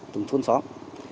từng thôn xóm